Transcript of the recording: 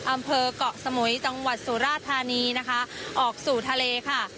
อำเภอกะสมุยจังหวัดสุราธานีออกสู่ทะเล